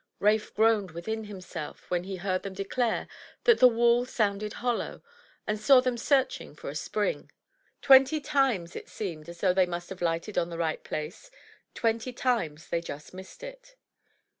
Rafe groaned within himself when he heard them declare that the wall sounded hollow, and saw them searching for a spring. Twenty times it seemed as though they must have lighted on the right place. Twenty times they just missed it.